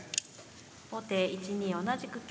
後手１二同じく香。